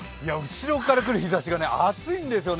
後ろからくる日ざしが暑いんですよ